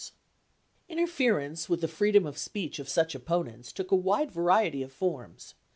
1190 Interference with the freedom of speech of such opponents took a wide variety of forms.